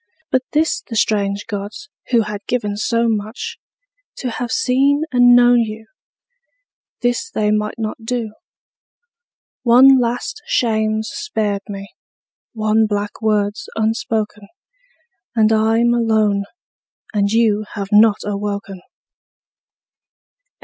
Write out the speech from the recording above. But this the strange gods, who had given so much, To have seen and known you, this they might not do. One last shame's spared me, one black word's unspoken; And I'm alone; and you have not awoken.